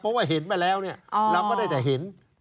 เพราะว่าเห็นไปแล้วเราก็ได้จะเห็น